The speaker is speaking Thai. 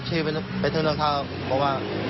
ชี้ไปถึงตรงเขาบอกว่า